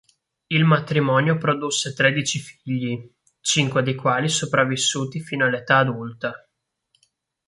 Il matrimonio produsse tredici figli, cinque dei quali sopravvissuti fino all'età adulta.